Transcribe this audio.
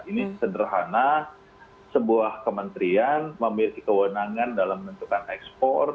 ini sederhana sebuah kementerian memiliki kewenangan dalam menentukan ekspor